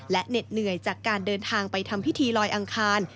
และเหน็ดเหนื่อยจากการเดินทางไปทำพิธีลอยอังคาร